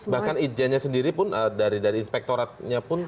bahkan ijennya sendiri pun dari inspektoratnya pun